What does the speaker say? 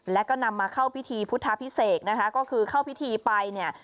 แล้วก็นำมาเข้าพิธีพุทธพิเศษนะคะก็คือเข้าพิธีไปเนี่ย